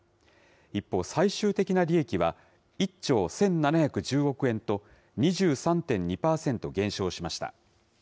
一方、最終的な利益は１兆１７１０億円と、２３．２％減少しました。